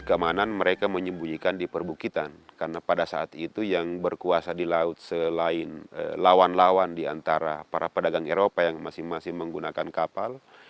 keamanan mereka menyembunyikan di perbukitan karena pada saat itu yang berkuasa di laut selain lawan lawan diantara para pedagang eropa yang masing masing menggunakan kapal